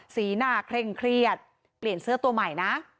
สีหน้าเคร่งเครียดเปลี่ยนเสื้อตัวใหม่นะ